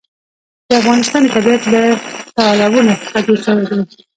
د افغانستان طبیعت له تالابونه څخه جوړ شوی دی.